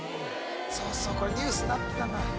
そうそうこれニュースになってたんだ